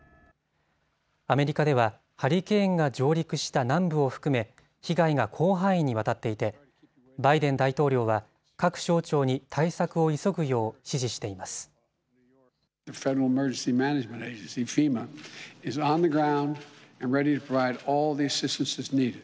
アメリカではハリケーンが上陸した南部を含め被害が広範囲にわたっていてバイデン大統領は各省庁に対策を急ぐよう指示しています。